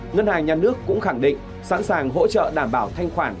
ngân hàng nhà nước cũng khẳng định sẵn sàng hỗ trợ đảm bảo thanh khoản